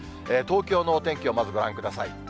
東京のお天気をまずご覧ください。